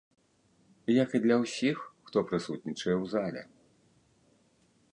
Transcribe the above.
Як і для ўсіх, хто прысутнічае ў зале.